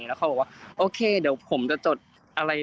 แล้วเขาบอกว่าโอเคเดี๋ยวผมจะจดอะไร